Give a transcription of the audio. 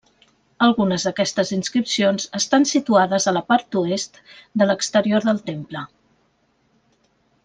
Algunes d'aquestes inscripcions estan situades a la part oest de l'exterior del temple.